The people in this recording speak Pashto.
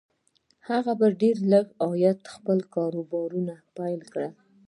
هغه په ډېر لږ عاید خپل کاروبار پیل کړی و